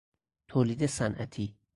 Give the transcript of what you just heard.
تولید صنعتی